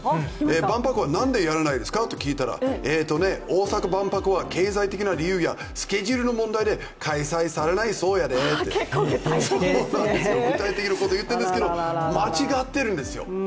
万博はなにでやらないの？と聞いたら経済的な理由やスケジュールの問題で開催されないそうやでって、具体的なこと言ってるんですけど間違ってるんですよ。